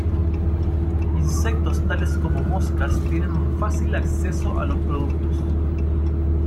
Insectos tales como moscas tienen un fácil acceso a los productos.